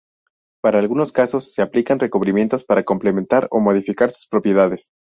Para algunos usos se le aplican recubrimientos para complementar o modificar sus propiedades.